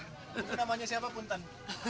itu namanya siapa pun tan